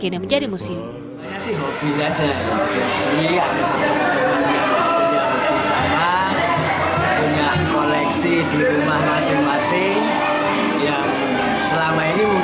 akhirnya menjadi museum